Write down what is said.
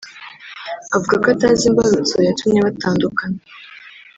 Avuga ko atazi imbarutso yatumye batandukana